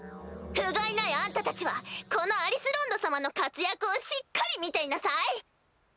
ふがいないあんたたちはこのアリス・ロンド様の活躍をしっかり見ていなさい！